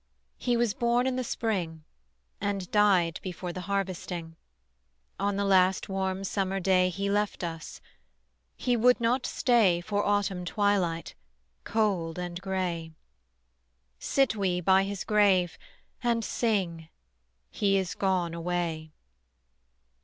He was born in the Spring, And died before the harvesting: On the last warm summer day He left us; he would not stay For autumn twilight, cold and gray. Sit we by his grave, and sing He is gone away.